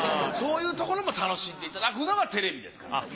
そういうところも楽しんでいただくのがテレビですから。